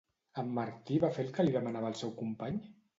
En Martí va fer el que li demanava el seu company?